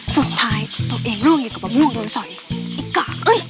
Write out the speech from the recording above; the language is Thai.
สุดท้ายตัวเองล่วงอย่างกับปะม่วงโดนส่าย